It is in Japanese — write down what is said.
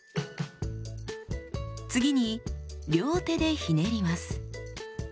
次に両手でひねります。